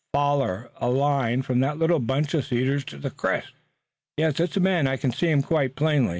Foller a line from that little bunch of cedars to the crest." "Yes, it's a man. I can see him quite plainly.